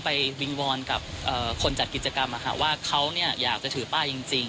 ไปวิงวอนกับเอ่อคนจัดกิจกรรมอ่ะค่ะว่าเขาเนี้ยอยากจะถือป้ายจริงจริง